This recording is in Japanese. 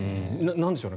なんでしょう。